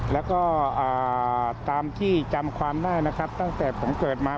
แล้วก็ตามที่จำความได้นะครับตั้งแต่ผมเกิดมา